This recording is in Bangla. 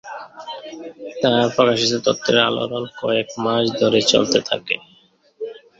তার প্রকাশিত তথ্যের আলোড়ন কয়েক মাস ধরে চলতে থাকে।